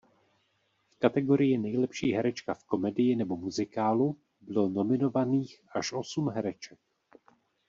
V kategorii nejlepší herečka v komedii nebo muzikálu bylo nominovaných až osm hereček.